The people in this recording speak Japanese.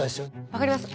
分かります